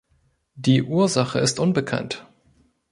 Die Ursache ist unbekannt.